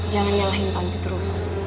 jangan nyalahin tanti terus